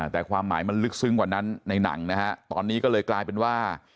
แต่ความหมายมันลึกซึ้งกว่านั้นในหนังนะฮะตอนนี้ก็เลยกลายเป็นว่า